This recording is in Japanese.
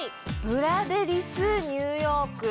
ブラデリスニューヨーク。